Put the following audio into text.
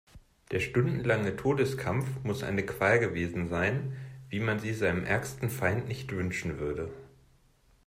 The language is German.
Der stundenlange Todeskampf muss eine Qual gewesen sein, wie man sie seinem ärgsten Feind nicht wünschen würde.